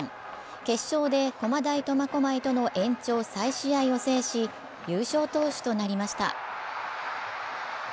決勝で駒大苫小牧との延長再試合を制し、優勝投手となりました。